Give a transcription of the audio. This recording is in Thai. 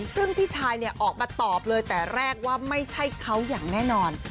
ซึ่งพี่ชายเนี่ยออกมาตอบเลยแต่แรกว่าไม่ใช่เขาอย่างแน่นอน